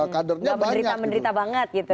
kadernya banyak gak menderita menderita banget gitu